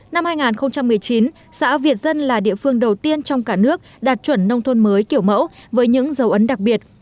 năm hai nghìn một mươi chín xã việt dân là địa phương đầu tiên trong cả nước đạt chuẩn nông thôn mới kiểu mẫu với những dấu ấn đặc biệt